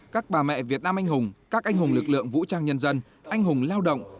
các bà mẹ việt nam anh hùng các anh hùng lực lượng vũ trang nhân dân anh hùng lao động